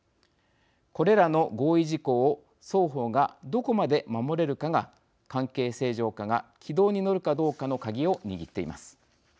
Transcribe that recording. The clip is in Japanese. これらの合意事項を双方がどこまで守れるかが関係正常化が軌道に乗るかどうかの鍵を握っています。